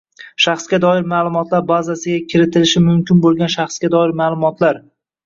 Shaxsga doir ma’lumotlar bazasiga kiritilishi mumkin bo‘lgan shaxsga doir ma’lumotlar